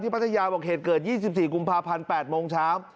พัทยาบอกเหตุเกิด๒๔กุมภาพันธ์๘โมงเช้า